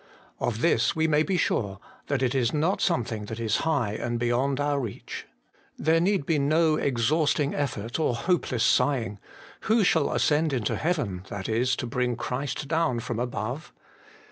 Of this we may be sure, that it is not something that is high and beyond our reach. There need be no exhausting effort or hopeless sighing, ' Who shall ascend into heaven, that is, to bring Christ down from above